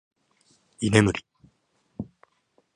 居眠り